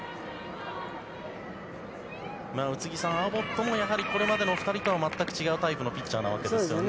宇津木さん、アボットもやはり、これまでの２人とは全く違うタイプのピッチャーなわけですよね。